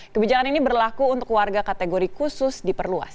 kebijakan ini berlaku untuk warga kategori khusus diperluas